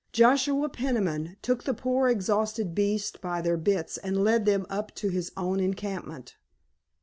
Joshua Peniman took the poor exhausted beasts by their bits and led them up to his own encampment.